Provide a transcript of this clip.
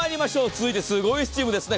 続いて、すごいスチームです。